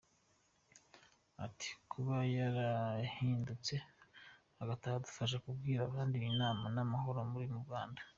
Ati "Kuba yarahindutse agataha adufasha kubwira abandi ko Imana n’amahoro biri mu Rwanda.